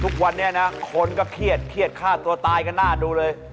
ทุกวันนี้นะคนก็เครียดเครียดฆ่าตัวตายกันหน้าดูเลย